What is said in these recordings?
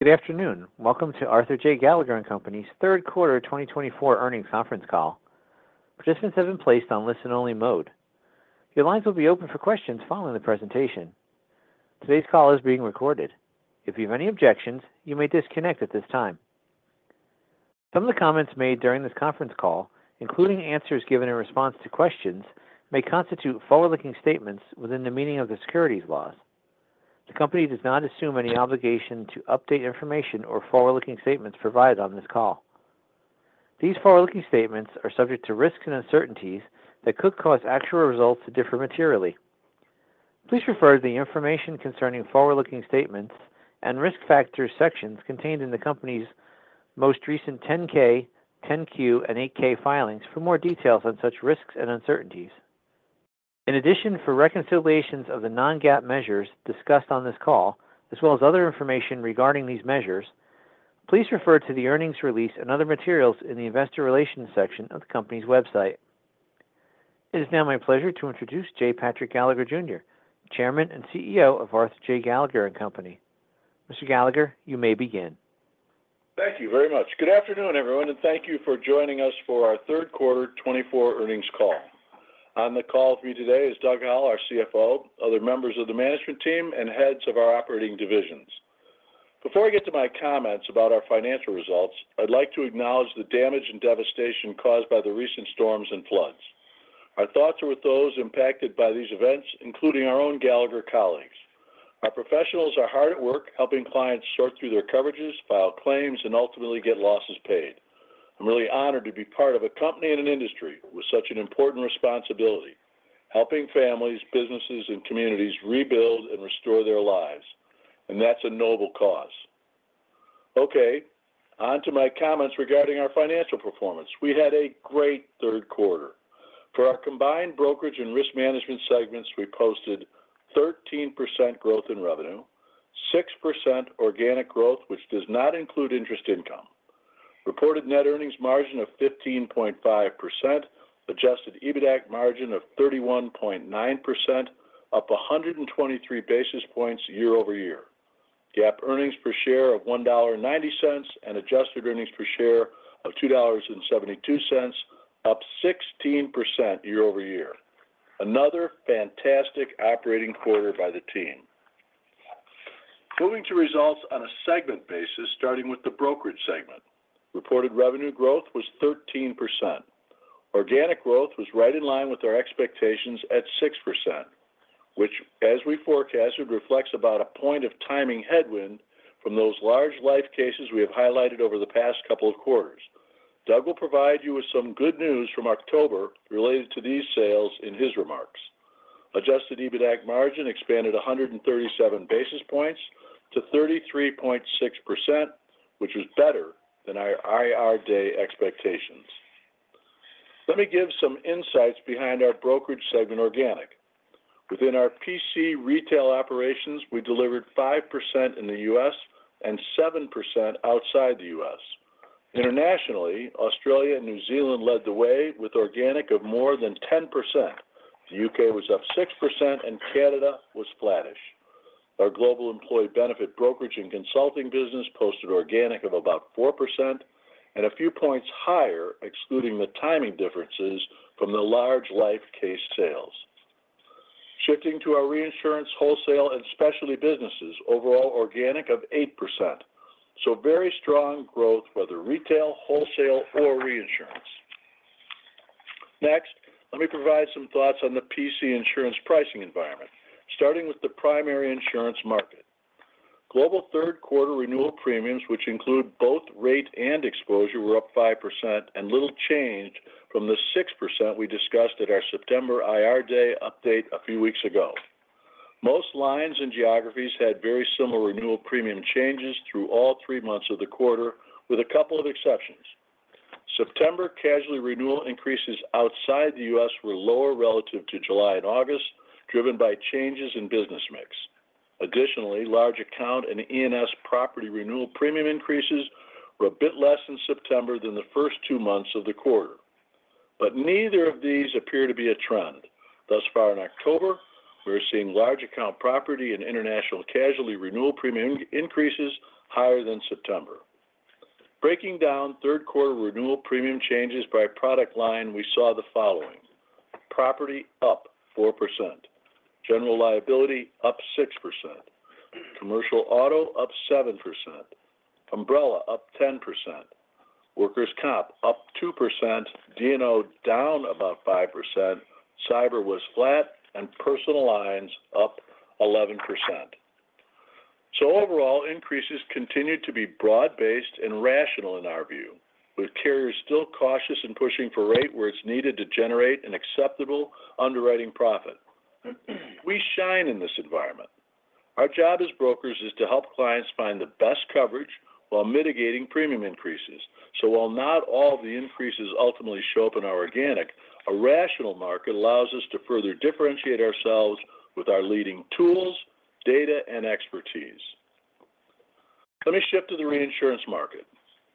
Good afternoon. Welcome to Arthur J. Gallagher & Company's third quarter twenty twenty-four earnings conference call. Participants have been placed on listen-only mode. Your lines will be open for questions following the presentation. Today's call is being recorded. If you have any objections, you may disconnect at this time. Some of the comments made during this conference call, including answers given in response to questions, may constitute forward-looking statements within the meaning of the securities laws. The company does not assume any obligation to update information or forward-looking statements provided on this call. These forward-looking statements are subject to risks and uncertainties that could cause actual results to differ materially. Please refer to the Information Concerning Forward-Looking Statements and Risk Factors sections contained in the company's most recent 10-K, 10-Q, and 8-K filings for more details on such risks and uncertainties.In addition, for reconciliations of the Non-GAAP measures discussed on this call, as well as other information regarding these measures, please refer to the earnings release and other materials in the Investor Relations section of the company's website. It is now my pleasure to introduce J. Patrick Gallagher, Jr., Chairman and CEO of Arthur J. Gallagher & Company. Mr. Gallagher, you may begin. Thank you very much. Good afternoon, everyone, and thank you for joining us for our third quarter 2024 earnings call. On the call for you today is Doug Howell, our CFO, other members of the management team, and heads of our operating divisions. Before I get to my comments about our financial results, I'd like to acknowledge the damage and devastation caused by the recent storms and floods. Our thoughts are with those impacted by these events, including our own Gallagher colleagues. Our professionals are hard at work, helping clients sort through their coverages, file claims, and ultimately get losses paid. I'm really honored to be part of a company and an industry with such an important responsibility, helping families, businesses, and communities rebuild and restore their lives, and that's a noble cause. Okay, on to my comments regarding our financial performance. We had a great third quarter. For our combined brokerage and risk management segments, we posted 13% growth in revenue, 6% organic growth, which does not include interest income. Reported net earnings margin of 15.5%. Adjusted EBITDAC margin of 31.9%, up 123 basis points year-over-year. GAAP earnings per share of $1.90, and adjusted earnings per share of $2.72, up 16% year-over-year. Another fantastic operating quarter by the team. Moving to results on a segment basis, starting with the brokerage segment. Reported revenue growth was 13%. Organic growth was right in line with our expectations at 6%, which, as we forecasted, reflects about a point of timing headwind from those large life cases we have highlighted over the past couple of quarters. Doug will provide you with some good news from October related to these sales in his remarks. Adjusted EBITDAC margin expanded 137 basis points to 33.6%, which was better than our IR Day expectations. Let me give some insights behind our brokerage segment organic. Within our P&C retail operations, we delivered 5% in the U.S. and 7% outside the U.S. Internationally, Australia and New Zealand led the way with organic of more than 10%. The U.K. was up 6% and Canada was flattish. Our global employee benefit brokerage and consulting business posted organic of about 4% and a few points higher, excluding the timing differences from the large life case sales. Shifting to our reinsurance, wholesale, and specialty businesses, overall organic of 8%, so very strong growth, whether retail, wholesale, or reinsurance. Next, let me provide some thoughts on the P&C insurance pricing environment, starting with the primary insurance market. Global third quarter renewal premiums, which include both rate and exposure, were up 5% and little changed from the 6% we discussed at our September IR Day update a few weeks ago. Most lines and geographies had very similar renewal premium changes through all three months of the quarter, with a couple of exceptions. September casualty renewal increases outside the U.S. were lower relative to July and August, driven by changes in business mix. Additionally, large account and E&S property renewal premium increases were a bit less in September than the first two months of the quarter. But neither of these appear to be a trend. Thus far in October, we are seeing large account property and international casualty renewal premium increases higher than September. Breaking down third quarter renewal premium changes by product line, we saw the following: property, up 4%; general liability, up 6%; commercial auto, up 7%; umbrella, up 10%; workers' comp, up 2%; D&O, down about 5%; cyber was flat; and personal lines, up 11%. So overall, increases continued to be broad-based and rational in our view, with carriers still cautious and pushing for rate where it's needed to generate an acceptable underwriting profit. We shine in this environment. Our job as brokers is to help clients find the best coverage while mitigating premium increases. So while not all of the increases ultimately show up in our organic, a rational market allows us to further differentiate ourselves with our leading tools, data, and expertise. Let me shift to the reinsurance market....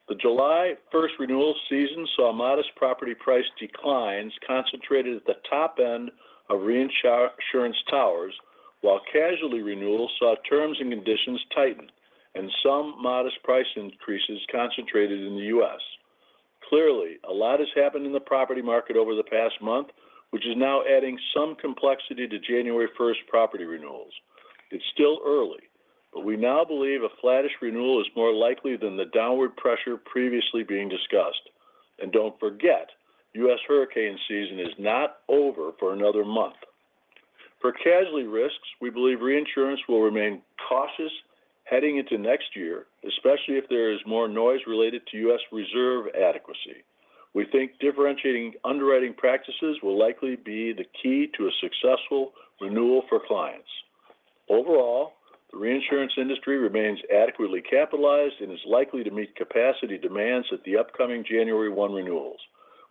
The July first renewal season saw modest property price declines concentrated at the top end of reinsurance towers, while casualty renewals saw terms and conditions tighten and some modest price increases concentrated in the U.S. Clearly, a lot has happened in the property market over the past month, which is now adding some complexity to January first property renewals. It's still early, but we now believe a flattish renewal is more likely than the downward pressure previously being discussed. And don't forget, U.S. hurricane season is not over for another month. For casualty risks, we believe reinsurance will remain cautious heading into next year, especially if there is more noise related to U.S. reserve adequacy. We think differentiating underwriting practices will likely be the key to a successful renewal for clients. Overall, the reinsurance industry remains adequately capitalized and is likely to meet capacity demands at the upcoming January 1 renewals.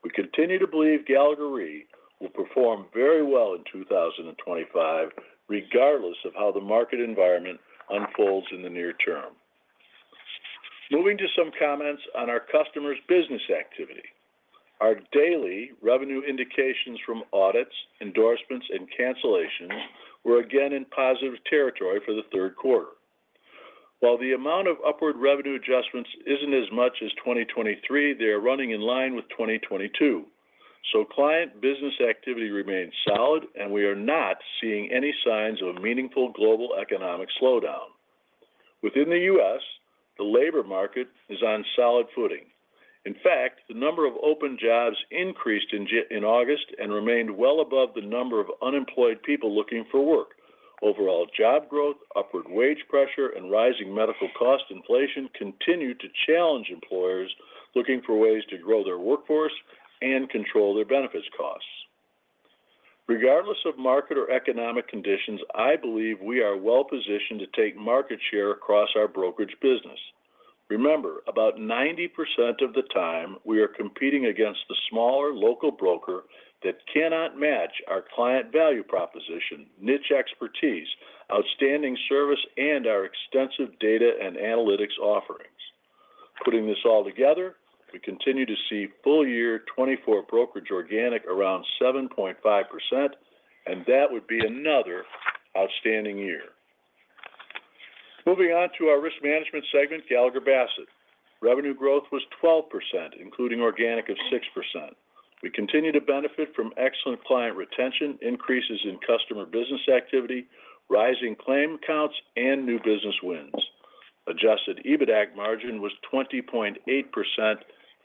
We continue to believe Gallagher Re will perform very well in 2025, regardless of how the market environment unfolds in the near term. Moving to some comments on our customers' business activity. Our daily revenue indications from audits, endorsements, and cancellations were again in positive territory for the third quarter. While the amount of upward revenue adjustments isn't as much as 2023, they are running in line with 2022. So client business activity remains solid, and we are not seeing any signs of a meaningful global economic slowdown. Within the U.S., the labor market is on solid footing. In fact, the number of open jobs increased in August and remained well above the number of unemployed people looking for work. Overall, job growth, upward wage pressure, and rising medical cost inflation continued to challenge employers looking for ways to grow their workforce and control their benefits costs. Regardless of market or economic conditions, I believe we are well positioned to take market share across our brokerage business. Remember, about 90% of the time, we are competing against the smaller local broker that cannot match our client value proposition, niche expertise, outstanding service, and our extensive data and analytics offerings. Putting this all together, we continue to see full year 2024 brokerage organic around 7.5%, and that would be another outstanding year. Moving on to our risk management segment, Gallagher Bassett. Revenue growth was 12%, including organic of 6%. We continue to benefit from excellent client retention, increases in customer business activity, rising claim counts, and new business wins. Adjusted EBITDAC margin was 20.8%,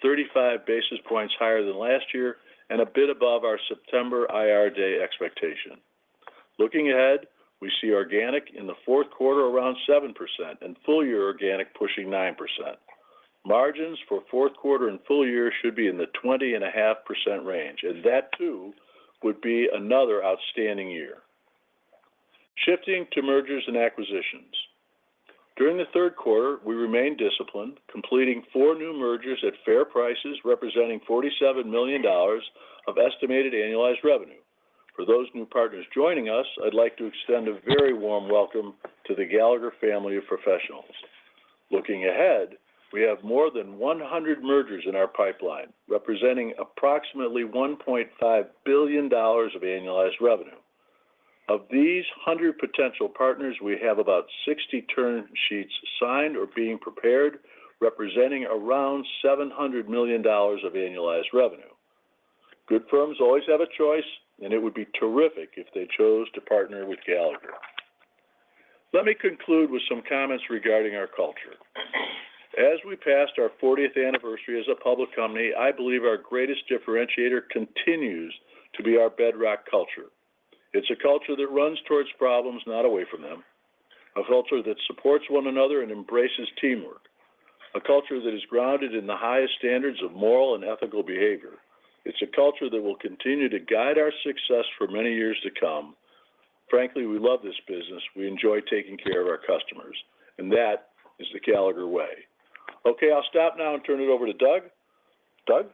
35 basis points higher than last year and a bit above our September IR Day expectation. Looking ahead, we see organic in the fourth quarter around 7% and full year organic pushing 9%. Margins for fourth quarter and full year should be in the 20.5% range, and that, too, would be another outstanding year. Shifting to mergers and acquisitions. During the third quarter, we remained disciplined, completing four new mergers at fair prices, representing $47 million of estimated annualized revenue. For those new partners joining us, I'd like to extend a very warm welcome to the Gallagher family of professionals. Looking ahead, we have more than one hundred mergers in our pipeline, representing approximately $1.5 billion of annualized revenue. Of these 100 potential partners, we have about 60 term sheets signed or being prepared, representing around $700 million of annualized revenue. Good firms always have a choice, and it would be terrific if they chose to partner with Gallagher. Let me conclude with some comments regarding our culture. As we passed our 40th anniversary as a public company, I believe our greatest differentiator continues to be our bedrock culture. It's a culture that runs towards problems, not away from them. A culture that supports one another and embraces teamwork. A culture that is grounded in the highest standards of moral and ethical behavior. It's a culture that will continue to guide our success for many years to come. Frankly, we love this business. We enjoy taking care of our customers, and that is the Gallagher way. Okay, I'll stop now and turn it over to Doug. Doug?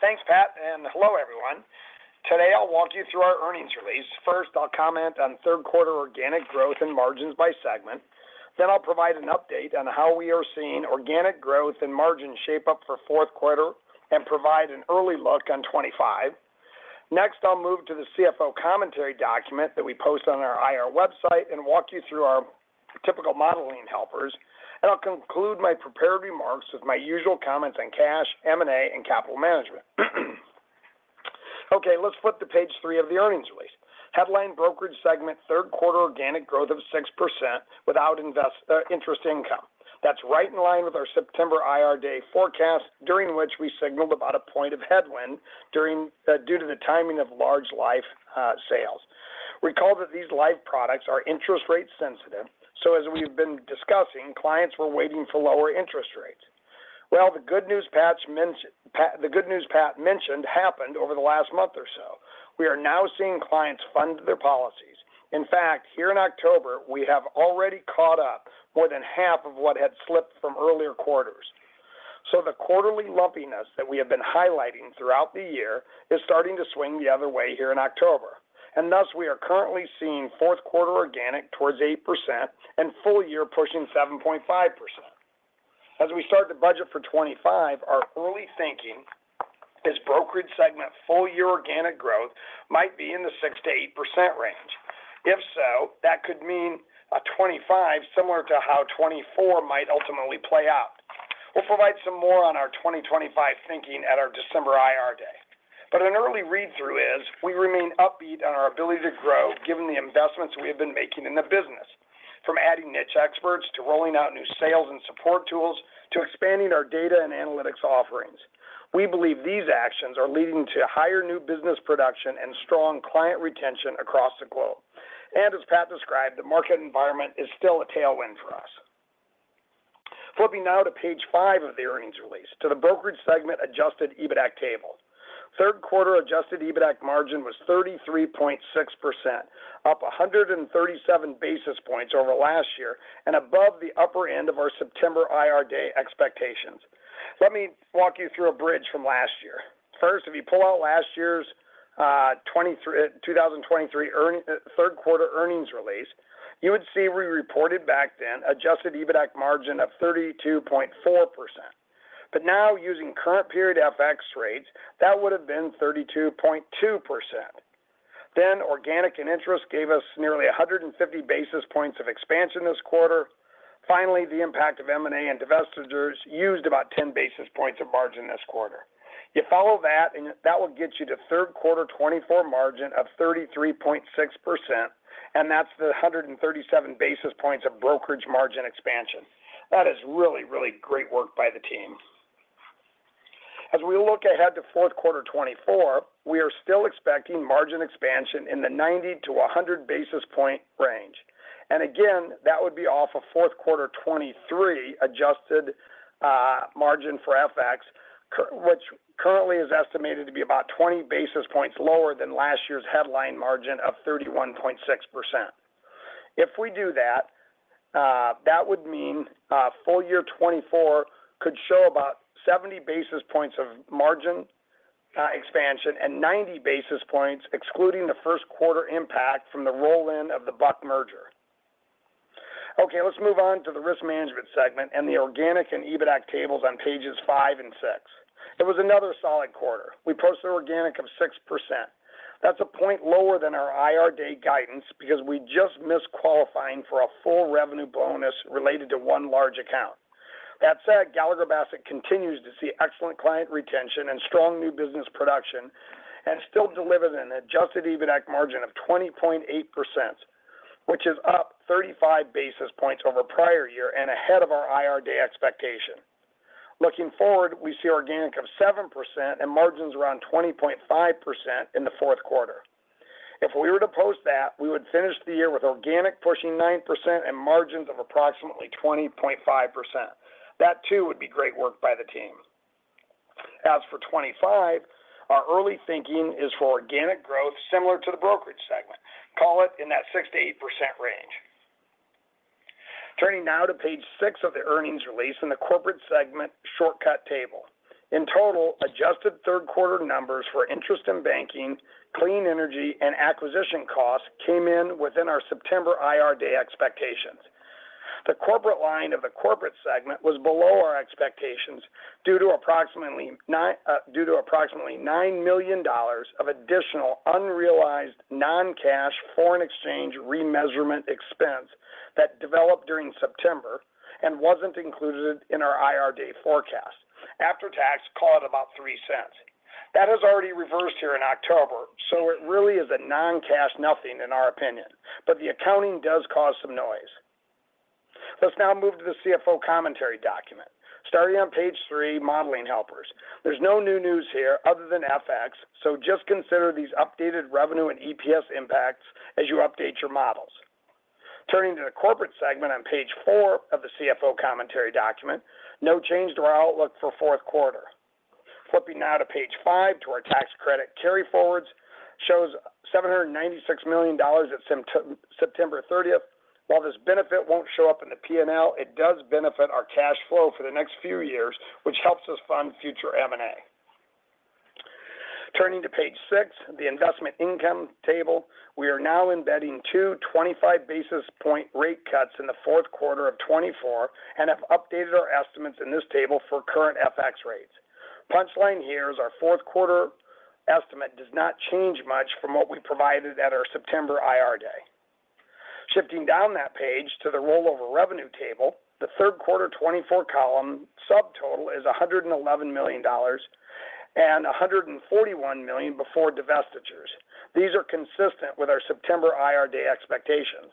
Thanks, Pat, and hello, everyone. Today, I'll walk you through our earnings release. First, I'll comment on third quarter organic growth and margins by segment. Then I'll provide an update on how we are seeing organic growth and margin shape up for fourth quarter and provide an early look on 2025. Next, I'll move to the CFO Commentary document that we post on our IR website and walk you through our typical modeling helpers, and I'll conclude my prepared remarks with my usual comments on cash, M&A, and capital management. Okay, let's flip to Page 3 of the earnings release. Headline brokerage segment, third quarter organic growth of 6% without interest income. That's right in line with our September IR Day forecast, during which we signaled about a point of headwind due to the timing of large life sales. Recall that these life products are interest rate sensitive, so as we've been discussing, clients were waiting for lower interest rates. Well, the good news Pat mentioned happened over the last month or so. We are now seeing clients fund their policies. In fact, here in October, we have already caught up more than half of what had slipped from earlier quarters. So the quarterly lumpiness that we have been highlighting throughout the year is starting to swing the other way here in October, and thus, we are currently seeing fourth quarter organic towards 8% and full year pushing 7.5%. As we start to budget for 2025, our early thinking is brokerage segment full year organic growth might be in the 6%-8% range. If so, that could mean a 2025, similar to how 2024 might ultimately play out. We'll provide some more on our 2025 thinking at our December IR Day, but an early read-through is, we remain upbeat on our ability to grow, given the investments we have been making in the business, from adding niche experts, to rolling out new sales and support tools, to expanding our data and analytics offerings. We believe these actions are leading to higher new business production and strong client retention across the globe, and as Pat described, the market environment is still a tailwind for us. Flipping now to Page 5 of the earnings release, to the brokerage segment adjusted EBITDAC table. Third quarter adjusted EBITDAC margin was 33.6%, up 137 basis points over last year and above the upper end of our September IR Day expectations. Let me walk you through a bridge from last year. First, if you pull out last year's 2023 third quarter earnings release, you would see we reported back then Adjusted EBITDAC margin of 32.4%. But now, using current period FX rates, that would have been 32.2%. Then, organic and interest gave us nearly 150 basis points of expansion this quarter. Finally, the impact of M&A and divestitures used about 10 basis points of margin this quarter. You follow that, and that will get you to third quarter 2024 margin of 33.6%, and that's the 137 basis points of brokerage margin expansion. That is really, really great work by the team. As we look ahead to fourth quarter 2024, we are still expecting margin expansion in the 90-100 basis point range. And again, that would be off of fourth quarter 2023, adjusted margin for FX, which currently is estimated to be about 20 basis points lower than last year's headline margin of 31.6%. If we do that, that would mean full year 2024 could show about 70 basis points of margin expansion and 90 basis points, excluding the first quarter impact from the roll-in of the Buck merger. Okay, let's move on to the risk management segment and the organic and EBITDAC tables on Pages 5 and 6. It was another solid quarter. We posted organic of 6%. That's a point lower than our IR Day guidance because we just missed qualifying for a full revenue bonus related to one large account. That said, Gallagher Bassett continues to see excellent client retention and strong new business production, and still delivered an Adjusted EBITDAC margin of 20.8%, which is up 35 basis points over prior year and ahead of our IR Day expectation. Looking forward, we see organic of 7% and margins around 20.5% in the fourth quarter. If we were to post that, we would finish the year with organic pushing 9% and margins of approximately 20.5%. That, too, would be great work by the team. As for 2025, our early thinking is for organic growth, similar to the brokerage segment. Call it in that 6%-8% range. Turning now to Page 6 of the earnings release in the corporate segment shortcut table. In total, adjusted third quarter numbers for interest in banking, clean energy, and acquisition costs came in within our September IR Day expectations. The corporate line of the corporate segment was below our expectations, due to approximately $9 million of additional unrealized, non-cash, foreign exchange remeasurement expense that developed during September and wasn't included in our IR Day forecast. After tax, call it about $0.03. That has already reversed here in October, so it really is a non-cash nothing in our opinion, but the accounting does cause some noise. Let's now move to the CFO Commentary document. Starting on Page 3, modeling helpers. There's no new news here other than FX, so just consider these updated revenue and EPS impacts as you update your models. Turning to the corporate segment on Page 4 of the CFO commentary document. No change to our outlook for fourth quarter. Flipping now to Page 6, to our tax credit carryforwards, shows $796 million at September 30th. While this benefit won't show up in the P&L, it does benefit our cash flow for the next few years, which helps us fund future M&A. Turning to Page 6, the investment income table, we are now embedding two 25 basis point rate cuts in the fourth quarter of 2024, and have updated our estimates in this table for current FX rates. Punchline here is our fourth quarter estimate does not change much from what we provided at our September IR Day. Shifting down that page to the rollover revenue table, the third quarter 2024 column subtotal is $111 million and $141 million before divestitures. These are consistent with our September IR Day expectations.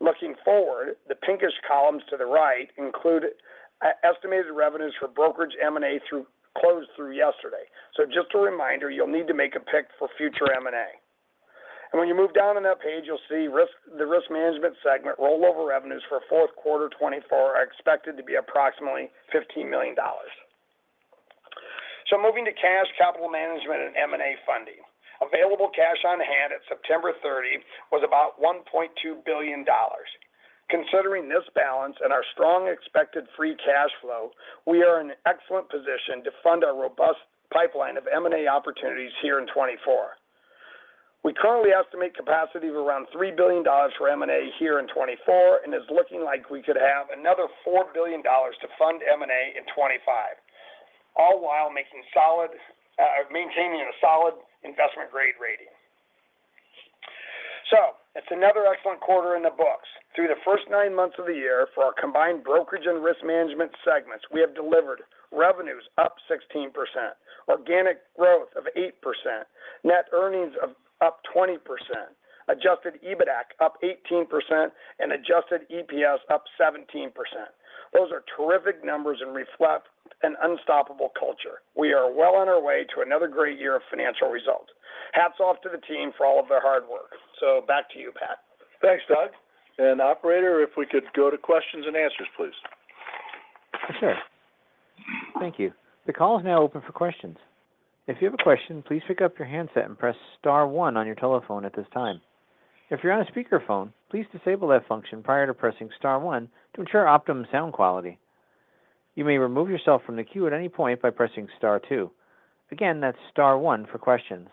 Looking forward, the pinkish columns to the right include estimated revenues for brokerage M&A closed through yesterday. So just a reminder, you'll need to make a pick for future M&A. And when you move down on that page, you'll see risk, the risk management segment, rollover revenues for fourth quarter 2024 are expected to be approximately $15 million. So moving to cash, capital management, and M&A funding. Available cash on hand at September 30 was about $1.2 billion. Considering this balance and our strong expected free cash flow, we are in an excellent position to fund our robust pipeline of M&A opportunities here in 2024. We currently estimate capacity of around $3 billion for M&A here in 2024, and it's looking like we could have another $4 billion to fund M&A in 2025, all while making solid, maintaining a solid investment grade rating. So it's another excellent quarter in the books. Through the first nine months of the year for our combined brokerage and risk management segments, we have delivered revenues up 16%, organic growth of 8%, net earnings up 20%, adjusted EBITDAC up 18%, and adjusted EPS up 17%. Those are terrific numbers and reflect an unstoppable culture. We are well on our way to another great year of financial results. Hats off to the team for all of their hard work. So back to you, Pat. Thanks, Doug. And Operator, if we could go to questions and answers, please. Sure. Thank you. The call is now open for questions. If you have a question, please pick up your handset and press star one on your telephone at this time. If you're on a speakerphone, please disable that function prior to pressing star one to ensure optimum sound quality. You may remove yourself from the queue at any point by pressing star two. Again, that's star one for questions.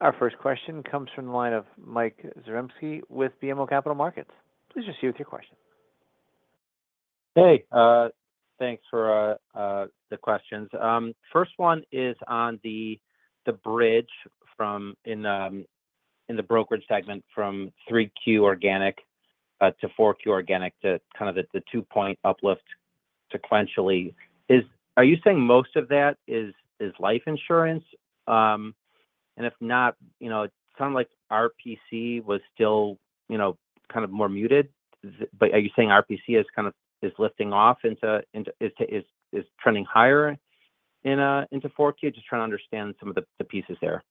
Our first question comes from the line of Mike Zaremski with BMO Capital Markets. Please proceed with your question. Hey, thanks for the questions. First one is on the bridge from in the brokerage segment, from 3Q organic to 4Q organic, to kind of the two-point uplift sequentially. Is are you saying most of that is life insurance? And if not, you know, it sounded like RPC was still, you know, kind of more muted. But are you saying RPC is kind of lifting off into 4Q? Is trending higher into 4Q? Just trying to understand some of the pieces there.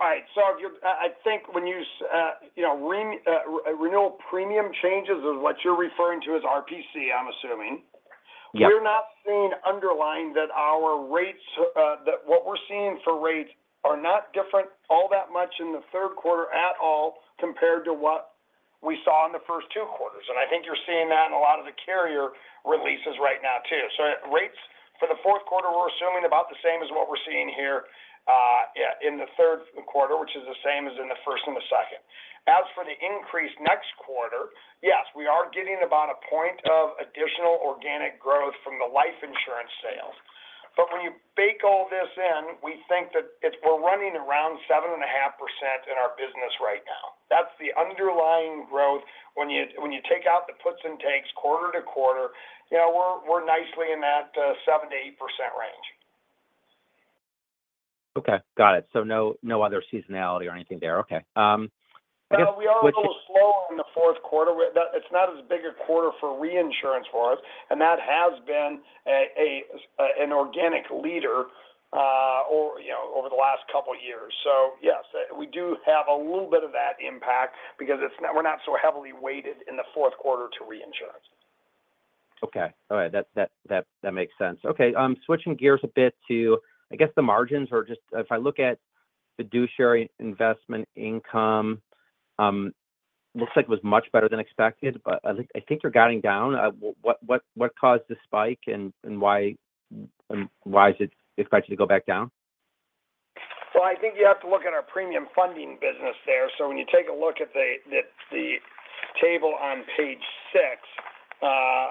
All right. So if you're, I think when you say, you know, renewal premium changes is what you're referring to as RPC, I'm assuming. Yeah. We're not seeing underlying that our rates, that what we're seeing for rates are not different all that much in the third quarter at all, compared to what we saw in the first two quarters, and I think you're seeing that in a lot of the carrier releases right now, too. So rates for the fourth quarter, we're assuming about the same as what we're seeing here, yeah, in the third quarter, which is the same as in the first and the second. As for the increase next quarter, yes, we are getting about a point of additional organic growth from the life insurance sales. But when you bake all this in, we think that it's. We're running around 7.5% in our business right now. That's the underlying growth. When you, when you take out the puts and takes quarter-to-quarter, you know, we're, we're nicely in that 7%-8% range. Okay, got it. So no, no other seasonality or anything there. Okay, I guess- We are a little slow on the fourth quarter. It's not as big a quarter for reinsurance for us, and that has been an organic leader, or, you know, over the last couple of years, so yes, we do have a little bit of that impact because we're not so heavily weighted in the fourth quarter to reinsurance. Okay. All right. That makes sense. Okay, switching gears a bit to, I guess, the margins or just if I look at fiduciary investment income, looks like it was much better than expected, but I think you're guiding down. What caused the spike, and why is it expected to go back down? I think you have to look at our premium funding business there. When you take a look at the table on Page 6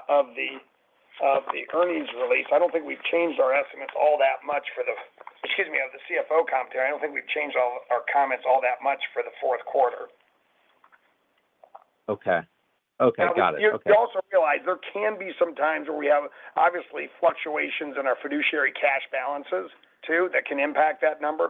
of the earnings release, I don't think we've changed our estimates all that much, excuse me, of the CFO Commentary. I don't think we've changed all our comments all that much for the fourth quarter. Okay. Okay, got it. You also realize there can be some times where we have, obviously, fluctuations in our fiduciary cash balances, too, that can impact that number.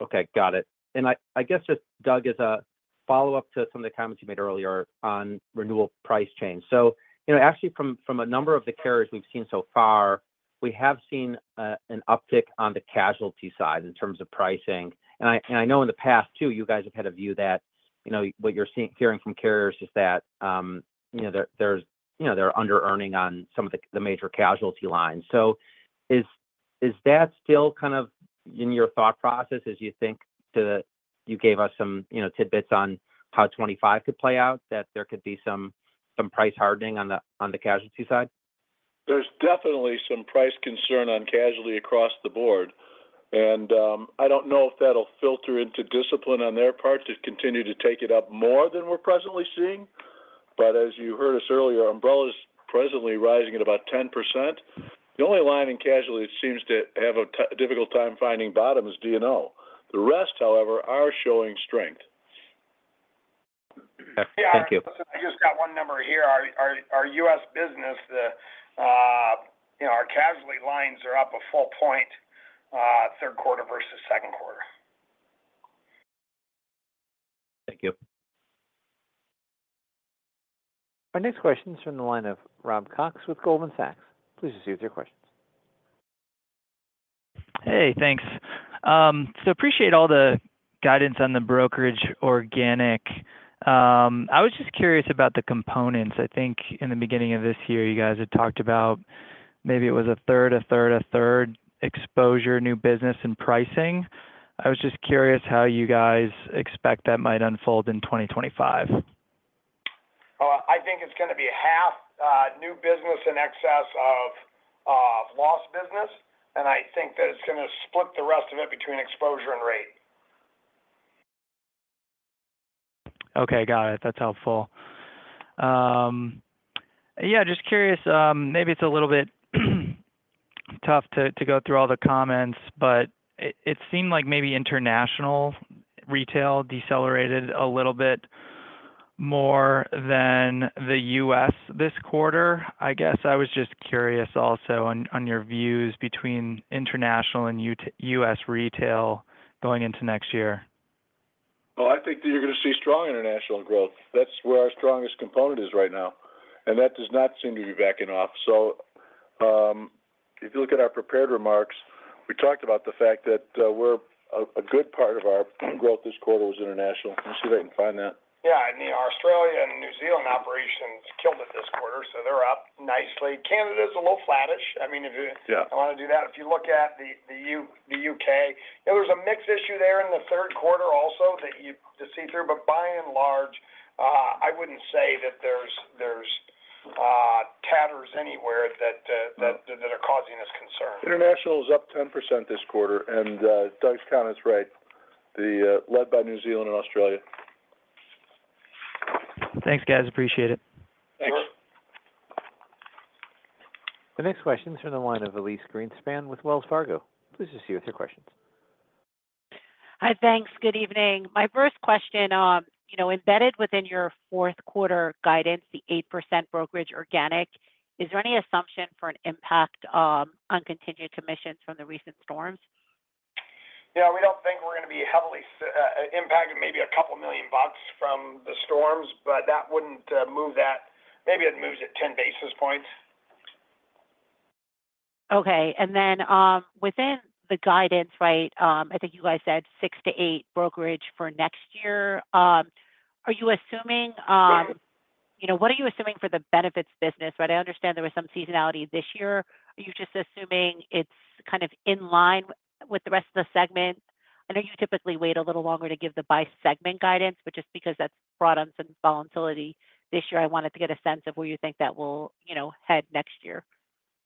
Okay, got it. And I guess, just Doug, as a follow-up to some of the comments you made earlier on renewal premium change. So, you know, actually from a number of the carriers we've seen so far, we have seen an uptick on the casualty side in terms of pricing. And I know in the past too, you guys have had a view that, you know, what you're hearing from carriers is that, you know, they're under-earning on some of the major casualty lines. So is that still kind of in your thought process as you think to the-- you gave us some, you know, tidbits on how 2025 could play out, that there could be some price hardening on the casualty side? There's definitely some price concern on casualty across the board, and I don't know if that'll filter into discipline on their part to continue to take it up more than we're presently seeing. But as you heard us earlier, umbrella's presently rising at about 10%. The only line in casualty that seems to have a difficult time finding bottom is D&O. The rest, however, are showing strength. Thank you. I just got one number here. Our U.S. business, you know, our casualty lines are up a full point, third quarter versus second quarter. Thank you. Our next question is from the line of Rob Cox with Goldman Sachs. Please proceed with your questions. Hey, thanks. So appreciate all the guidance on the brokerage organic. I was just curious about the components. I think in the beginning of this year, you guys had talked about maybe it was a third, a third, a third exposure, new business, and pricing. I was just curious how you guys expect that might unfold in 2025? I think it's gonna be half, new business in excess of, lost business, and I think that it's gonna split the rest of it between exposure and rate. Okay, got it. That's helpful. Yeah, just curious, maybe it's a little bit tough to go through all the comments, but it seemed like maybe international retail decelerated a little bit more than the U.S. this quarter. I guess I was just curious also on your views between international and U.S. retail going into next year. Well, I think that you're gonna see strong international growth. That's where our strongest component is right now, and that does not seem to be backing off. So, if you look at our prepared remarks, we talked about the fact that, we're a good part of our growth this quarter was international. Let me see if I can find that. Yeah, and the Australia and New Zealand operations killed it this quarter, so they're up nicely. Canada is a little flattish. I mean, if you- Yeah wanna do that. If you look at the U.K., there was a mixed issue there in the third quarter also that you to see through, but by and large, I wouldn't say that there's matters anywhere that are causing us concern. International is up 10% this quarter, and Doug's count is right. The led by New Zealand and Australia. Thanks, guys. Appreciate it. Thanks. You're welcome. The next question is from the line of Elyse Greenspan with Wells Fargo. Please go ahead with your questions. Hi, thanks. Good evening. My first question, you know, embedded within your fourth quarter guidance, the 8% brokerage organic, is there any assumption for an impact on continued commissions from the recent storms? Yeah, we don't think we're gonna be heavily impacted, maybe a couple of million bucks from the storms, but that wouldn't move that. Maybe it moves it ten basis points. Okay, and then, within the guidance, right, I think you guys said six to eight brokerage for next year. Are you assuming? Yes. You know, what are you assuming for the benefits business, right? I understand there was some seasonality this year. Are you just assuming it's kind of in line with the rest of the segment? I know you typically wait a little longer to give the by segment guidance, but just because that's brought on some volatility this year, I wanted to get a sense of where you think that will, you know, head next year.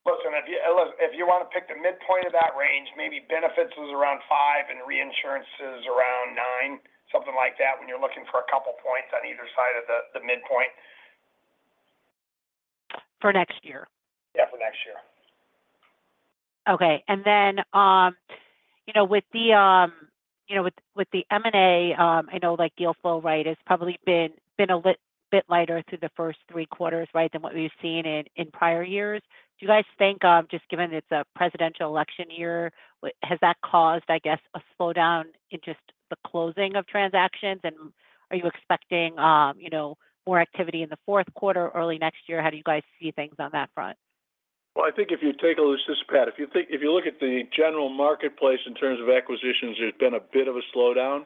Listen, if you, if you want to pick the midpoint of that range, maybe benefits is around five and reinsurance is around nine, something like that, when you're looking for a couple points on either side of the midpoint. For next year? Yeah, for next year. Okay. And then, you know, with the M&A, I know like deal flow, right, has probably been a bit lighter through the first three quarters, right, than what we've seen in prior years. Do you guys think, just given it's a presidential election year, has that caused, I guess, a slowdown in just the closing of transactions? And are you expecting, you know, more activity in the fourth quarter, early next year? How do you guys see things on that front? I think if you take a look. This is Pat. If you look at the general marketplace in terms of acquisitions, there's been a bit of a slowdown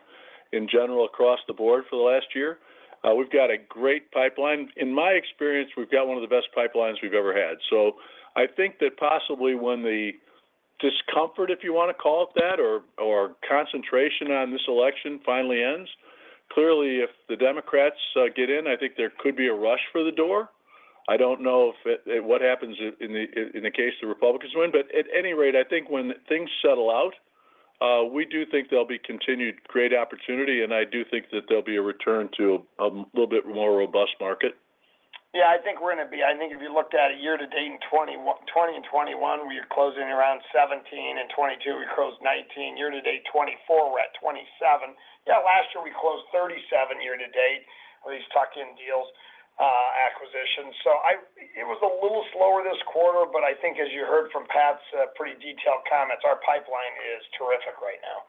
in general across the board for the last year. We've got a great pipeline. In my experience, we've got one of the best pipelines we've ever had. So I think that possibly when the discomfort, if you want to call it that, or concentration on this election finally ends, clearly, if the Democrats get in, I think there could be a rush for the door. I don't know what happens in the case the Republicans win. But at any rate, I think when things settle out, we do think there'll be continued great opportunity, and I do think that there'll be a return to a little bit more robust market. Yeah, I think if you looked at a year to date in 2021... 2020 and 2021, we were closing around 17, and 2022, we closed 19. Year to date, 2024, we're at 27. Yeah, last year, we closed 37 year to date on these tuck-in deals, acquisitions. So it was a little slower this quarter, but I think as you heard from Pat's pretty detailed comments, our pipeline is terrific right now.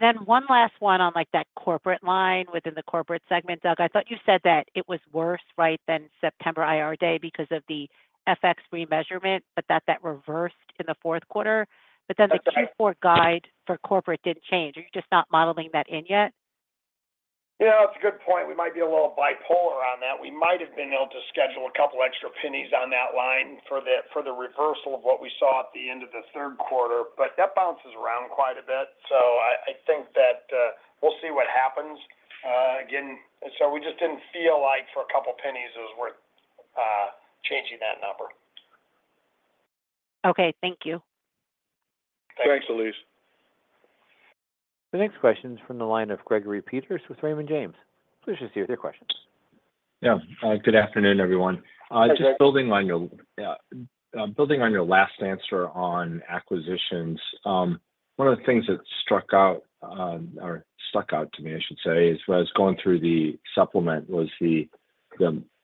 Then one last one on, like, that corporate line within the corporate segment. Doug, I thought you said that it was worse, right, than September IR Day because of the FX remeasurement, but that reversed in the fourth quarter. That's right. But then the Q4 guide for corporate didn't change. Are you just not modeling that in yet? Yeah, it's a good point. We might be a little bipolar on that. We might have been able to schedule a couple extra pennies on that line for the reversal of what we saw at the end of the third quarter, but that bounces around quite a bit. So I think that we'll see what happens. Again, so we just didn't feel like for a couple of pennies, it was worth changing that number. Okay, thank you. Thanks, Elyse. The next question is from the line of Gregory Peters with Raymond James. Please go ahead with your questions. Yeah. Good afternoon, everyone. Hi, Greg. Just building on your last answer on acquisitions, one of the things that struck out, or stuck out to me, I should say, is as I was going through the supplement, was the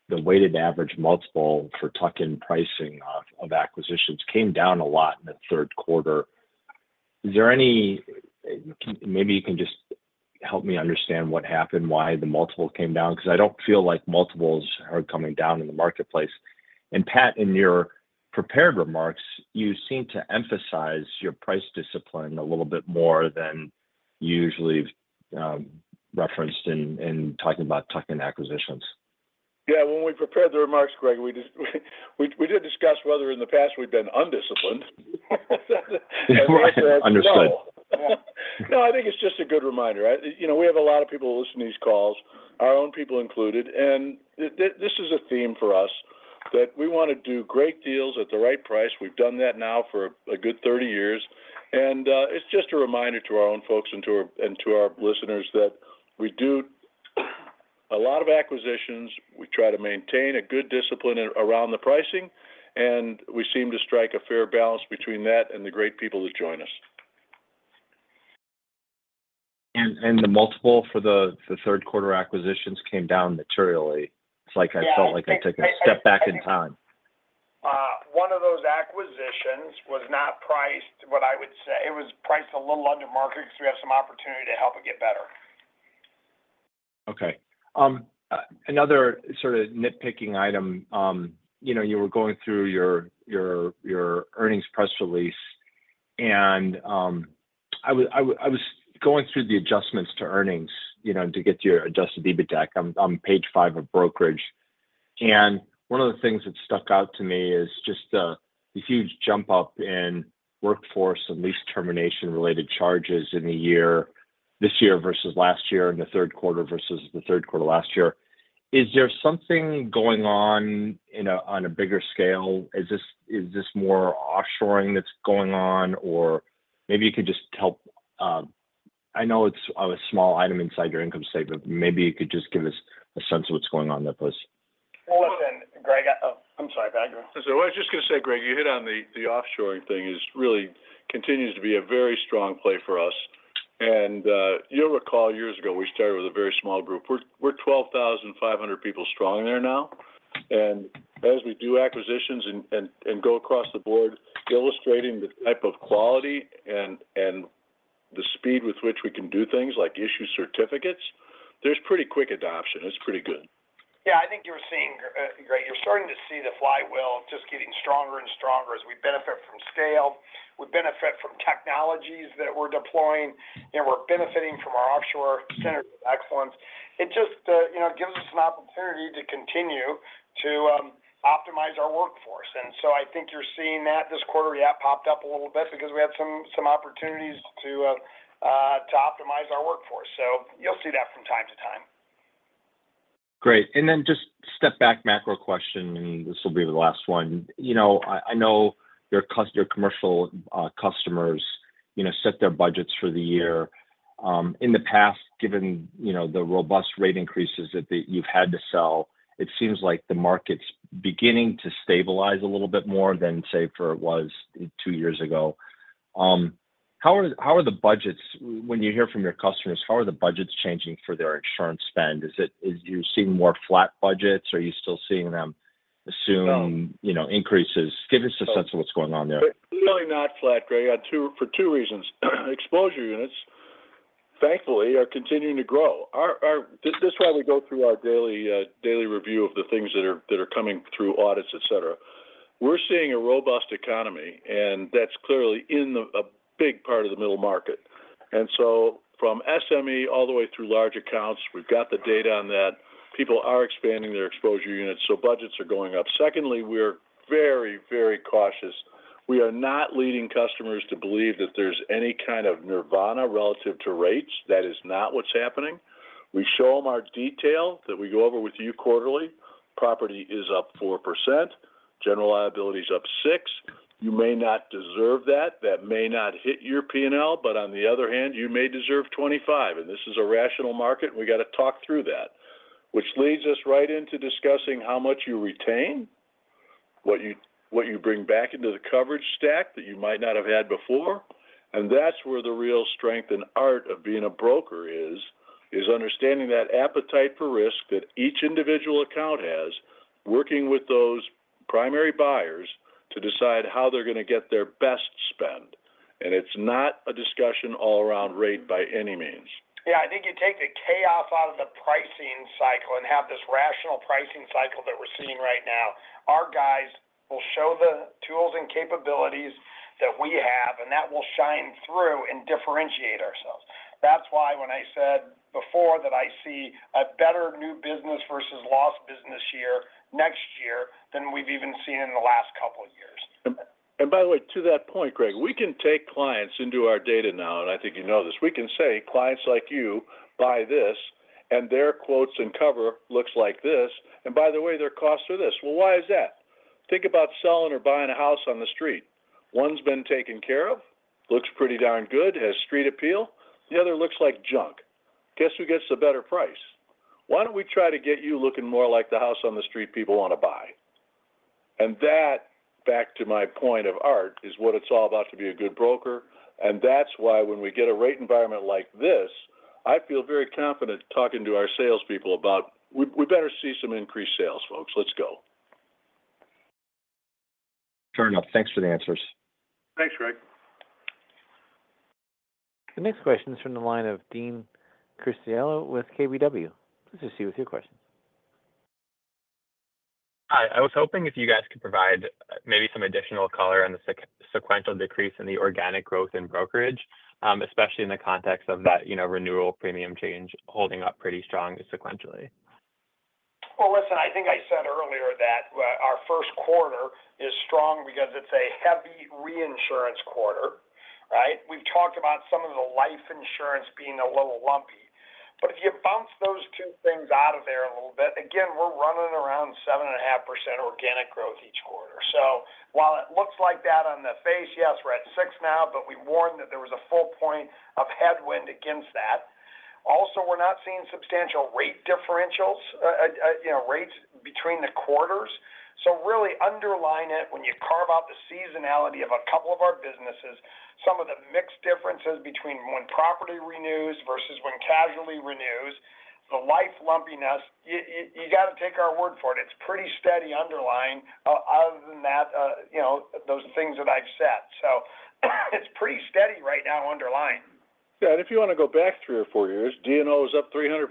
weighted average multiple for tuck-in pricing of acquisitions came down a lot in the third quarter. Is there any, maybe you can just help me understand what happened, why the multiple came down, because I don't feel like multiples are coming down in the marketplace. And Pat, in your prepared remarks, you seem to emphasize your price discipline a little bit more than usually referenced in talking about tuck-in acquisitions. Yeah, when we prepared the remarks, Greg, we just did discuss whether in the past we've been undisciplined. Understood. No, I think it's just a good reminder. You know, we have a lot of people who listen to these calls, our own people included, and this is a theme for us, that we want to do great deals at the right price. We've done that now for a good 30 years, and it's just a reminder to our own folks and to our listeners, that we do a lot of acquisitions. We try to maintain a good discipline around the pricing, and we seem to strike a fair balance between that and the great people who join us. The multiple for the third quarter acquisitions came down materially. It's like I felt like I took a step back in time. One of those acquisitions was not priced what I would say... It was priced a little under market because we have some opportunity to help it get better. Okay. Another sort of nitpicking item, you know, you were going through your earnings press release, and I was going through the adjustments to earnings, you know, to get to your adjusted EBITDA. I'm on Page 5 of brokerage, and one of the things that stuck out to me is just the huge jump up in workforce and lease termination-related charges in the year, this year versus last year, in the third quarter versus the third quarter last year. Is there something going on on a bigger scale? Is this more offshoring that's going on? Or maybe you could just help. I know it's a small item inside your income statement. Maybe you could just give us a sense of what's going on there, please. Listen, Greg. I'm sorry, Pat. I was just going to say, Greg, you hit on the offshoring thing is really continues to be a very strong play for us. And, you'll recall years ago, we started with a very small group. We're twelve thousand five hundred people strong there now, and as we do acquisitions and go across the board, illustrating the type of quality and the speed with which we can do things like issue certificates, there's pretty quick adoption. It's pretty good. Yeah, I think you're seeing, Greg, you're starting to see the flywheel just getting stronger and stronger as we benefit from scale, we benefit from technologies that we're deploying, and we're benefiting from our offshore center of excellence. It just, you know, gives us an opportunity to continue to optimize our workforce, and so I think you're seeing that this quarter. Yeah, it popped up a little bit because we had some opportunities to optimize our workforce, so you'll see that from time to time. Great. And then just step back, macro question, and this will be the last one. You know, I know your commercial customers, you know, set their budgets for the year. In the past, given, you know, the robust rate increases that you've had to sell, it seems like the market's beginning to stabilize a little bit more than, say, for it was two years ago. How are the budgets... When you hear from your customers, how are the budgets changing for their insurance spend? Is it, you're seeing more flat budgets? Are you still seeing them assume- No You know, increases? Give us a sense of what's going on there? Really not flat, Greg, two for two reasons. Exposure units, thankfully, are continuing to grow. This is how we go through our daily review of the things that are coming through audits, et cetera. We're seeing a robust economy, and that's clearly in a big part of the middle market, so from SME, all the way through large accounts, we've got the data on that. People are expanding their exposure units, so budgets are going up. Secondly, we're very, very cautious. We are not leading customers to believe that there's any kind of nirvana relative to rates. That is not what's happening. We show them our detail that we go over with you quarterly. Property is up 4%, general liability is up 6%. You may not deserve that, that may not hit your P&L, but on the other hand, you may deserve 2025, and this is a rational market, and we got to talk through that. Which leads us right into discussing how much you retain, what you bring back into the coverage stack that you might not have had before. And that's where the real strength and art of being a broker is understanding that appetite for risk that each individual account has, working with those primary buyers to decide how they're going to get their best spend. And it's not a discussion all around rate by any means. Yeah, I think you take the chaos out of the pricing cycle and have this rational pricing cycle that we're seeing right now. Our guys will show the tools and capabilities that we have, and that will shine through and differentiate ourselves. That's why when I said before that I see a better new business versus lost business year next year than we've even seen in the last couple of years. By the way, to that point, Greg, we can take clients into our data now, and I think you know this. We can say, "Clients like you buy this, and their quotes and cover looks like this, and by the way, their costs are this." Well, why is that? Think about selling or buying a house on the street. One's been taken care of, looks pretty darn good, has street appeal. The other looks like junk. Guess who gets the better price? Why don't we try to get you looking more like the house on the street people want to buy? That, back to my point of art, is what it's all about to be a good broker, and that's why when we get a rate environment like this, I feel very confident talking to our salespeople about, "We, we better see some increased sales, folks. Let's go. ... Fair enough. Thanks for the answers. Thanks, Greg. The next question is from the line of Dean Criscitiello with KBW. Please proceed with your questions. Hi, I was hoping if you guys could provide maybe some additional color on the sequential decrease in the organic growth in brokerage, especially in the context of that, you know, renewal premium change holding up pretty strong sequentially. Listen, I think I said earlier that our first quarter is strong because it's a heavy reinsurance quarter, right? We've talked about some of the life insurance being a little lumpy, but if you bounce those two things out of there a little bit, again, we're running around 7.5% organic growth each quarter. So while it looks like that on the face, yes, we're at 6% now, but we warned that there was a full point of headwind against that. Also, we're not seeing substantial rate differentials, you know, rates between the quarters. So really underlying it, when you carve out the seasonality of a couple of our businesses, some of the mixed differences between when property renews versus when casualty renews, the life lumpiness, you got to take our word for it. It's pretty steady underlying. Other than that, you know, those things that I've said. So it's pretty steady right now underlying. Yeah, and if you want to go back three or four years, D&O is up 300%.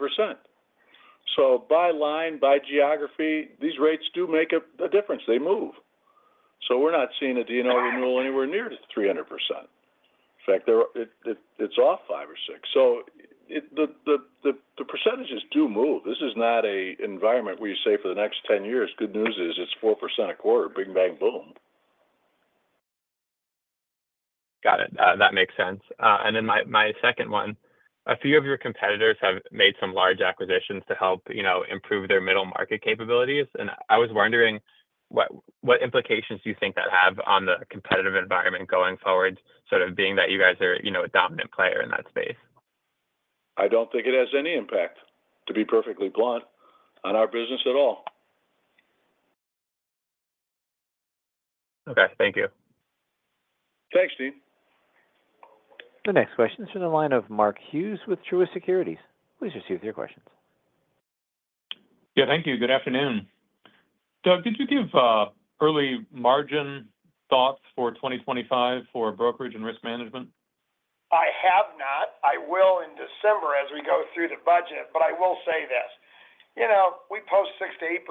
So by line, by geography, these rates do make a difference. They move. So we're not seeing a D&O renewal anywhere near the 300%. In fact, they're... it's off five or six. So the percentages do move. This is not an environment where you say for the next 10 years, good news is it's 4% a quarter, big bang, boom. Got it. That makes sense. And then my, my second one, a few of your competitors have made some large acquisitions to help, you know, improve their middle market capabilities, and I was wondering what, what implications do you think that have on the competitive environment going forward, sort of being that you guys are, you know, a dominant player in that space? I don't think it has any impact, to be perfectly blunt, on our business at all. Okay. Thank you. Thanks, Dean. The next question is from the line of Mark Hughes with Truist Securities. Please proceed with your questions. Yeah, thank you. Good afternoon. Doug, could you give early margin thoughts for 2025 for brokerage and risk management? I have not. I will in December as we go through the budget, but I will say this: you know, we post 6%-8%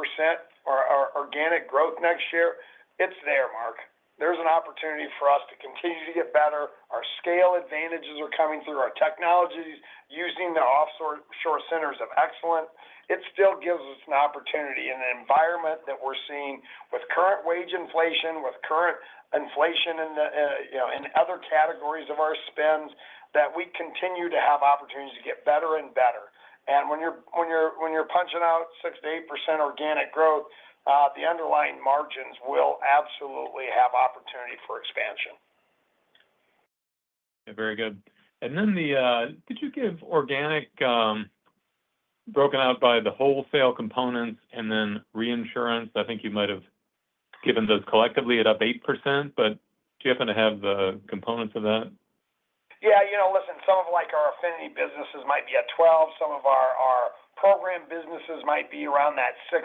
organic growth next year. It's there, Mark. There's an opportunity for us to continue to get better. Our scale advantages are coming through our technologies, using the offshore centers of excellence. It still gives us an opportunity in an environment that we're seeing with current wage inflation, with current inflation in the, you know, in other categories of our spends, that we continue to have opportunities to get better and better. And when you're punching out 6%-8% organic growth, the underlying margins will absolutely have opportunity for expansion. Very good. And then could you give organic broken out by the wholesale components and then reinsurance? I think you might have given those collectively at up 8%, but do you happen to have the components of that? Yeah, you know, listen, some of, like, our affinity businesses might be at 12%. Some of our program businesses might be around that 6%.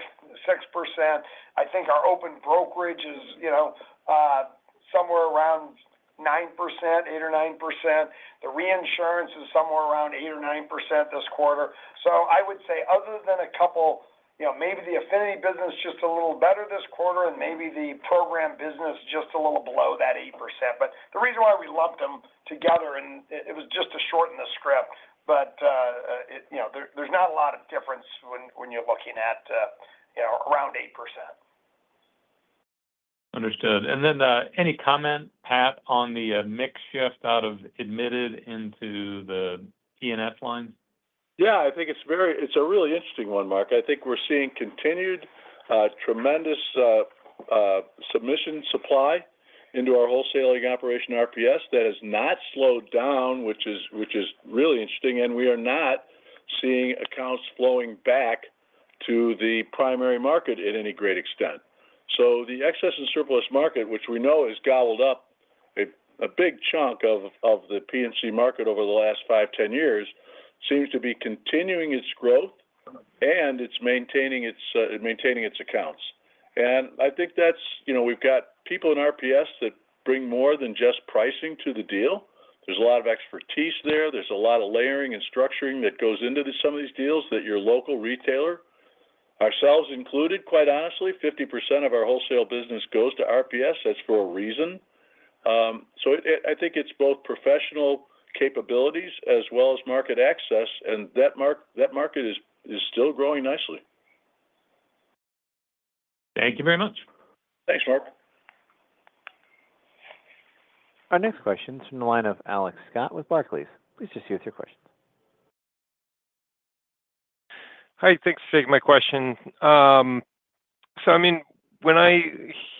I think our open brokerage is, you know, somewhere around 9%, 8% or 9%. The reinsurance is somewhere around 8% or 9% this quarter. So I would say other than a couple, you know, maybe the affinity business is just a little better this quarter and maybe the program business just a little below that 8%. But the reason why we loved them together, and it was just to shorten the script, but, it, you know, there's not a lot of difference when you're looking at, you know, around 8%. Understood. And then, any comment, Pat, on the mix shift out of admitted into the E&S lines? Yeah, I think it's a really interesting one, Mark. I think we're seeing continued tremendous submission supply into our wholesaling operation, RPS. That has not slowed down, which is really interesting, and we are not seeing accounts flowing back to the primary market at any great extent. So the excess and surplus market, which we know has gobbled up a big chunk of the P&C market over the last five, 10 years, seems to be continuing its growth, and it's maintaining its accounts. And I think that's, you know, we've got people in RPS that bring more than just pricing to the deal. There's a lot of expertise there. There's a lot of layering and structuring that goes into some of these deals that your local retailer, ourselves included, quite honestly, 50% of our wholesale business goes to RPS. That's for a reason. So, I think it's both professional capabilities as well as market access, and that market is still growing nicely. Thank you very much. Thanks, Mark. Our next question is from the line of Alex Scott with Barclays. Please proceed with your questions. Hi, thanks for taking my question. So I mean, when I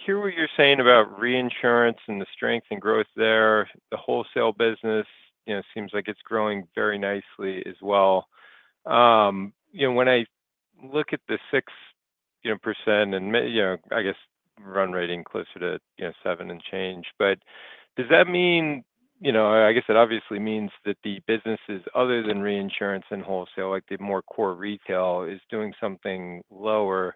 hear what you're saying about reinsurance and the strength and growth there, the wholesale business, you know, seems like it's growing very nicely as well. You know, when I look at the 6%, you know, and maybe run rate closer to, you know, 7% and change, but does that mean, you know, I guess it obviously means that the businesses other than reinsurance and wholesale, like the more core retail, is doing something lower.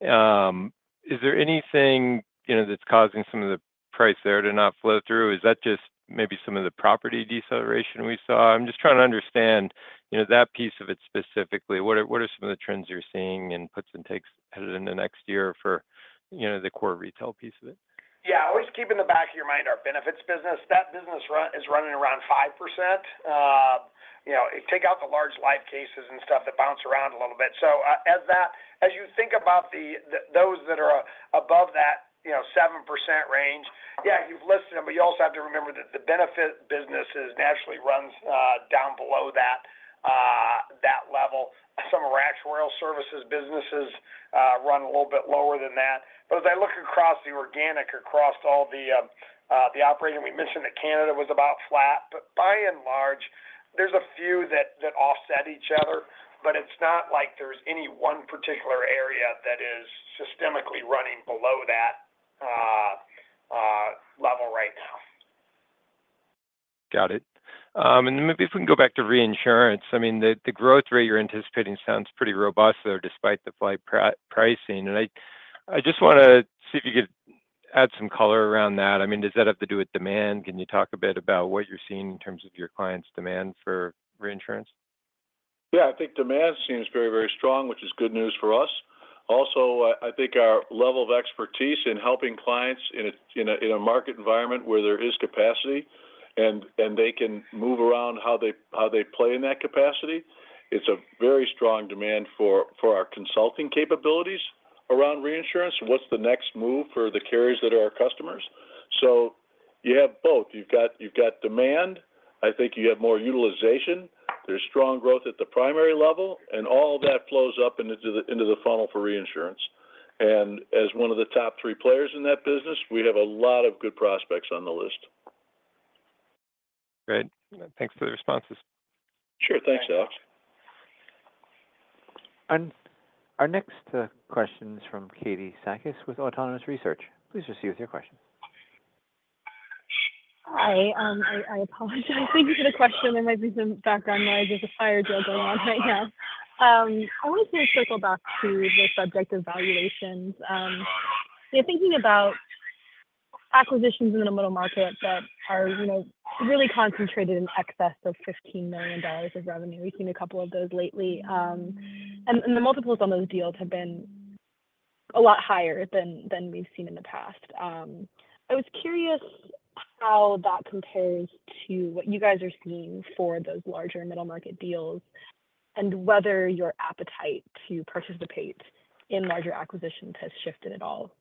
Is there anything, you know, that's causing some of the price there to not flow through? Is that just maybe some of the property deceleration we saw? I'm just trying to understand, you know, that piece of it specifically. What are some of the trends you're seeing in puts and takes headed in the next year for, you know, the core retail piece of it? Yeah. Always keep in the back of your mind our benefits business. That business is running around 5%. You know, take out the large life cases and stuff that bounce around a little bit. So, as you think about those that are above that, you know, 7% range, yeah, you've listed them, but you also have to remember that the benefit business is naturally runs down below that level. Some of our actuarial services businesses run a little bit lower than that. But as I look across the organic, across all the operating, we mentioned that Canada was about flat. But by and large, there's a few that offset each other, but it's not like there's any one particular area that is systemically running below that level right now. Got it. And then maybe if we can go back to reinsurance. I mean, the growth rate you're anticipating sounds pretty robust there, despite the flat pricing. And I just wanna see if you could add some color around that. I mean, does that have to do with demand? Can you talk a bit about what you're seeing in terms of your clients' demand for reinsurance? Yeah, I think demand seems very, very strong, which is good news for us. Also, I think our level of expertise in helping clients in a market environment where there is capacity, and they can move around how they play in that capacity. It's a very strong demand for our consulting capabilities around reinsurance. What's the next move for the carriers that are our customers? So you have both. You've got demand. I think you have more utilization. There's strong growth at the primary level, and all that flows up into the funnel for reinsurance. And as one of the top three players in that business, we have a lot of good prospects on the list. Great. Thanks for the responses. Sure. Thanks, Alex. Our next question is from Katie Sakys with Autonomous Research. Please proceed with your question. Hi, I apologize. Thank you for the question. There might be some background noise. There's a fire drill going on right now. I wanted to circle back to the subject of valuations, so you're thinking about acquisitions in the middle market that are, you know, really concentrated in excess of $15 million of revenue. We've seen a couple of those lately, and the multiples on those deals have been a lot higher than we've seen in the past. I was curious how that compares to what you guys are seeing for those larger middle market deals, and whether your appetite to participate in larger acquisitions has shifted at all?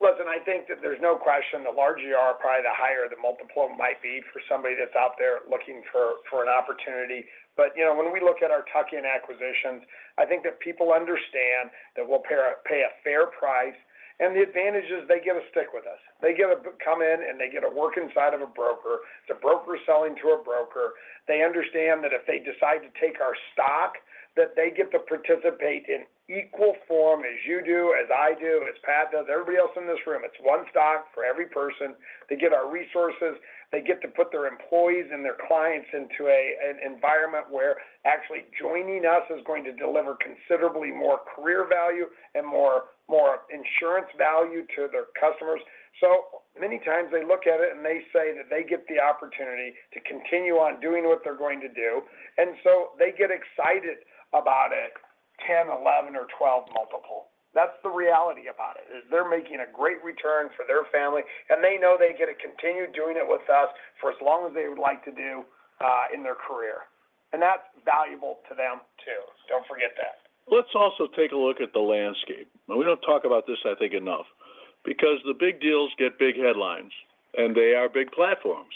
Listen, I think that there's no question the larger you are, probably the higher the multiple might be for somebody that's out there looking for an opportunity. But, you know, when we look at our tuck-in acquisitions, I think that people understand that we'll pay a fair price, and the advantage is they get to stick with us. They get to become in, and they get to work inside of a broker. It's a broker selling to a broker. They understand that if they decide to take our stock, that they get to participate in equal form as you do, as I do, as Pat does, everybody else in this room. It's one stock for every person. They get our resources. They get to put their employees and their clients into an environment where actually joining us is going to deliver considerably more career value and more insurance value to their customers. So many times they look at it, and they say that they get the opportunity to continue on doing what they're going to do, and so they get excited about a 10x, 11x, or 12x. That's the reality about it, is they're making a great return for their family, and they know they get to continue doing it with us for as long as they would like to do, in their career, and that's valuable to them, too. Don't forget that. Let's also take a look at the landscape. Now, we don't talk about this, I think, enough, because the big deals get big headlines, and they are big platforms.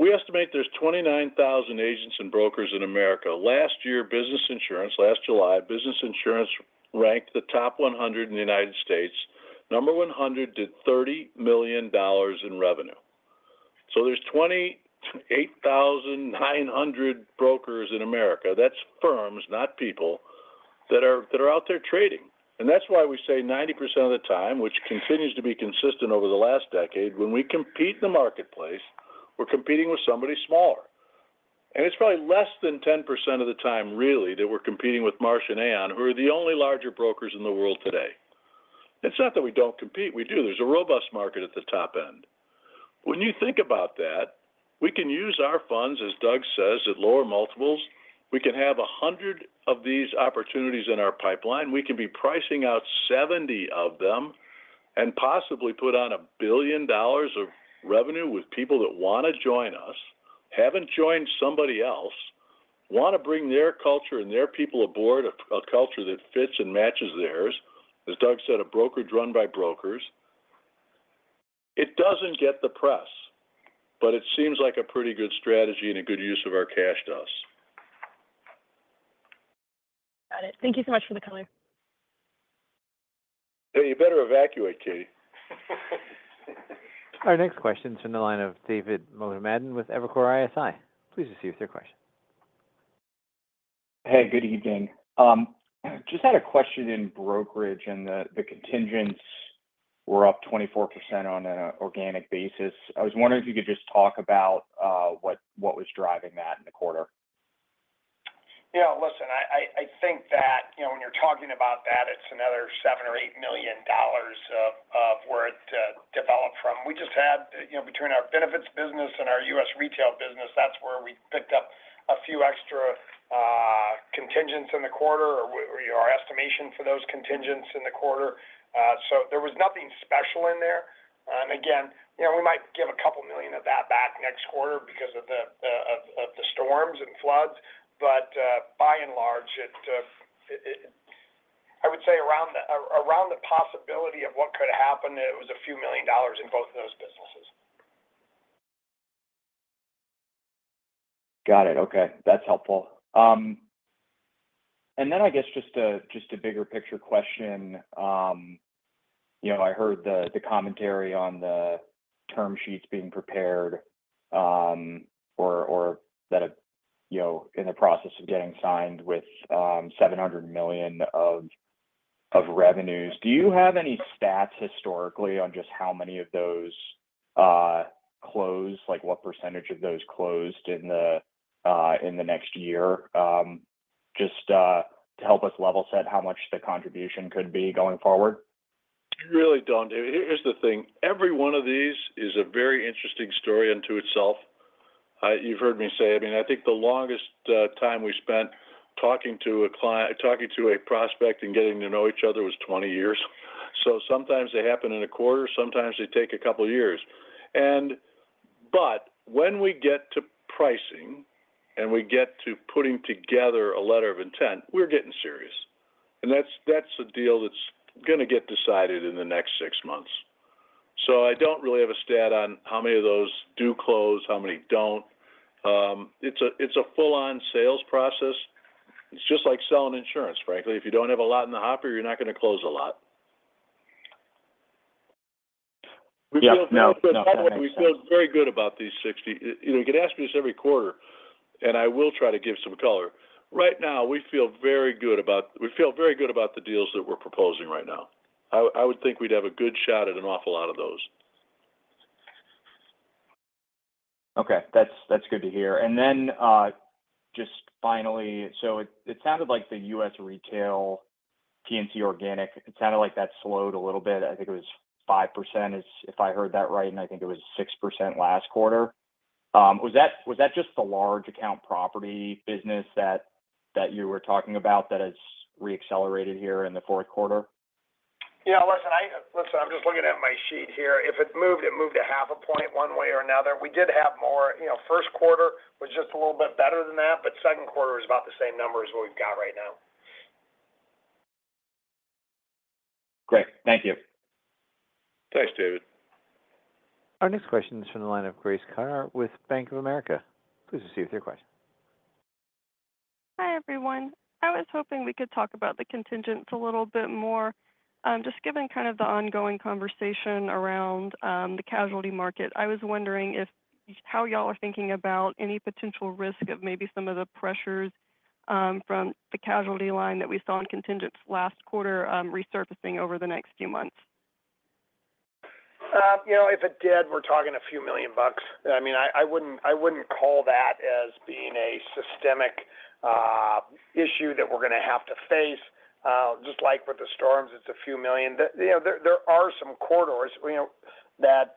We estimate there's 29,000 agents and brokers in America. Last year, Business Insurance, last July, Business Insurance ranked the top 100 in the United States. Number 100 did $30 million in revenue. So there's 28,900 brokers in America, that's firms, not people, that are out there trading. And that's why we say 90% of the time, which continues to be consistent over the last decade, when we compete in the marketplace, we're competing with somebody smaller. And it's probably less than 10% of the time, really, that we're competing with Marsh & Aon, who are the only larger brokers in the world today. It's not that we don't compete. We do. There's a robust market at the top end. When you think about that, we can use our funds, as Doug says, at lower multiples. We can have 100 of these opportunities in our pipeline. We can be pricing out 70 of them and possibly put on $1 billion of revenue with people that want to join us, haven't joined somebody else, want to bring their culture and their people aboard, a culture that fits and matches theirs. As Doug said, a brokerage run by brokers. It doesn't get the press, but it seems like a pretty good strategy and a good use of our cash to us. Got it. Thank you so much for the color. Hey, you better evacuate, Katie. Our next question is from the line of David Motemaden with Evercore ISI. Please proceed with your question. Hey, good evening. Just had a question in brokerage, and the contingents were up 24% on an organic basis. I was wondering if you could just talk about what was driving that in the quarter? Yeah, listen, I think that, you know, when you're talking about that, it's another $7 million-$8 million of where it developed from. We just had, you know, between our benefits business and our U.S. retail business, that's where we picked up a few extra contingents in the quarter, or our estimation for those contingents in the quarter. So there was nothing special in there. Again, you know, we might give a couple million of that back next quarter because of the storms and floods, but by and large, it, I would say around the possibility of what could happen, it was a few million dollars in both of those businesses. Got it. Okay, that's helpful. And then I guess just a bigger picture question. You know, I heard the commentary on the term sheets being prepared, or that have, you know, in the process of getting signed with $700 million of revenues. Do you have any stats historically on just how many of those close? Like, what percentage of those closed in the next year? Just to help us level set how much the contribution could be going forward. We really don't. David, here's the thing, every one of these is a very interesting story unto itself. You've heard me say, I mean, I think the longest time we spent talking to a prospect and getting to know each other was 20 years. So sometimes they happen in a quarter, sometimes they take a couple of years. And but when we get to pricing and we get to putting together a letter of intent, we're getting serious, and that's a deal that's gonna get decided in the next six months. So I don't really have a stat on how many of those do close, how many don't. It's a full-on sales process. It's just like selling insurance, frankly. If you don't have a lot in the hopper, you're not gonna close a lot. Yeah. No, no, that makes sense. We feel very good about these 60. You know, you can ask me this every quarter, and I will try to give some color. Right now, we feel very good about the deals that we're proposing right now. I would think we'd have a good shot at an awful lot of those. Okay, that's good to hear. And then, just finally, so it sounded like the U.S. retail P&C organic slowed a little bit. I think it was 5%, if I heard that right, and I think it was 6% last quarter. Was that just the large account property business that you were talking about that has re-accelerated here in the fourth quarter? Yeah, listen. I'm just looking at my sheet here. If it moved, it moved a half a point, one way or another. We did have more. You know, first quarter was just a little bit better than that, but second quarter is about the same number as what we've got right now. Great. Thank you. Thanks, David. Our next question is from the line of Grace Carter with Bank of America. Please proceed with your question. Hi, everyone. I was hoping we could talk about the contingents a little bit more. Just given kind of the ongoing conversation around the casualty market, I was wondering if how y'all are thinking about any potential risk of maybe some of the pressures from the casualty line that we saw in contingents last quarter, resurfacing over the next few months? You know, if it did, we're talking a few million bucks. I mean, I wouldn't call that as being a systemic issue that we're gonna have to face. Just like with the storms, it's a few million. You know, there are some corridors, you know, that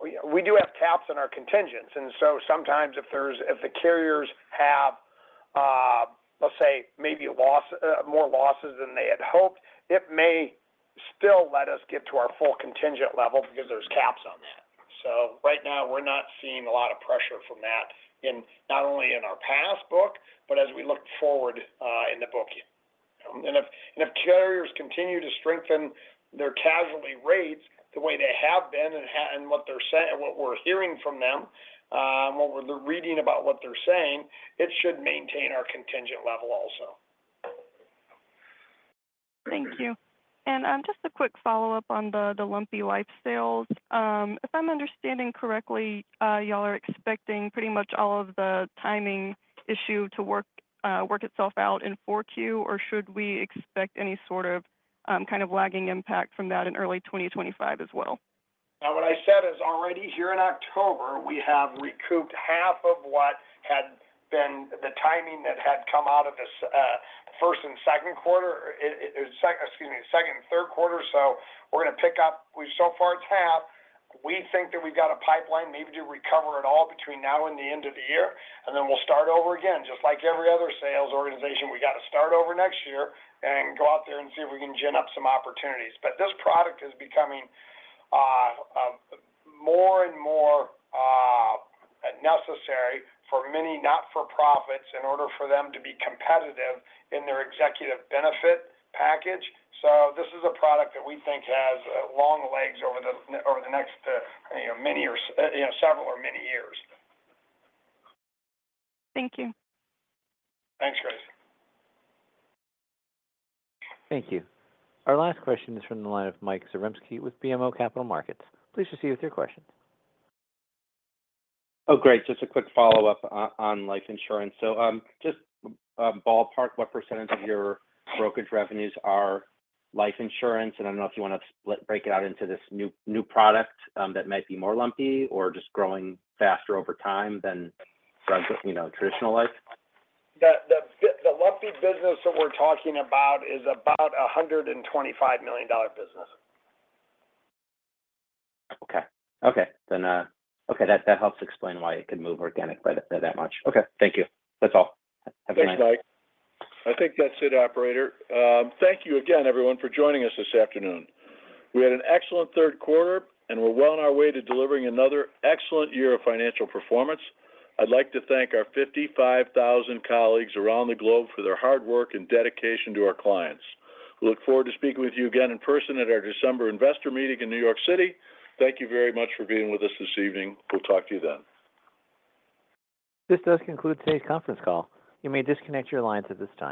we do have caps in our contingents, and so sometimes if the carriers have, let's say, maybe a loss, more losses than they had hoped, it may still let us get to our full contingent level because there's caps on that. So right now, we're not seeing a lot of pressure from that in, not only in our past book, but as we look forward, in the booking. If carriers continue to strengthen their casualty rates the way they have been and what they're saying and what we're hearing from them, what we're reading about what they're saying, it should maintain our contingent level also. Thank you, and just a quick follow-up on the lumpy life sales. If I'm understanding correctly, y'all are expecting pretty much all of the timing issue to work itself out in 4Q, or should we expect any sort of kind of lagging impact from that in early 2025 as well? What I said is already here in October, we have recouped half of what had been the timing that had come out of this first and second quarter. Excuse me, second and third quarter. So we're gonna pick up. So far it's half. We think that we've got a pipeline maybe to recover it all between now and the end of the year, and then we'll start over again. Just like every other sales organization, we got to start over next year and go out there and see if we can gen up some opportunities. But this product is becoming more and more necessary for many not-for-profits in order for them to be competitive in their executive benefit package. This is a product that we think has long legs over the next, you know, many years, you know, several or many years. Thank you. Thanks, Grace. Thank you. Our last question is from the line of Mike Zarembski with BMO Capital Markets. Please proceed with your questions. Oh, great. Just a quick follow-up on life insurance. So, just, ballpark, what percentage of your brokerage revenues are life insurance? And I don't know if you want to split, break it out into this new product that might be more lumpy or just growing faster over time than just, you know, traditional life. The lumpy business that we're talking about is about a $125 million business. Okay. Then, okay, that helps explain why it could move organic by that much. Okay. Thank you. That's all. Have a nice... Thanks, Mike. I think that's it, operator. Thank you again, everyone, for joining us this afternoon. We had an excellent third quarter, and we're well on our way to delivering another excellent year of financial performance. I'd like to thank our 55,000 colleagues around the globe for their hard work and dedication to our clients. We look forward to speaking with you again in person at our December investor meeting in New York City. Thank you very much for being with us this evening. We'll talk to you then. This does conclude today's conference call. You may disconnect your lines at this time.